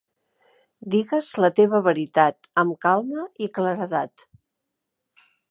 Digues la teva veritat amb calma i claredat.